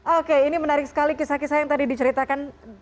oke ini menarik sekali kisah kisah yang tadi diceritakan